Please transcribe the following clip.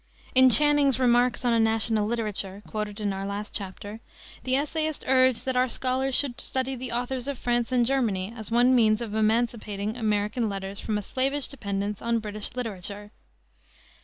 In Channing's Remarks on a National Literature, quoted in our last chapter, the essayist urged that our scholars should study the authors of France and Germany as one means of emancipating American letters from a slavish dependence on British literature.